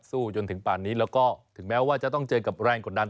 จนถึงป่านนี้แล้วก็ถึงแม้ว่าจะต้องเจอกับแรงกดดัน